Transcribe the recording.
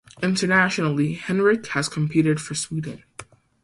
Internationally, Henrik has competed for Sweden.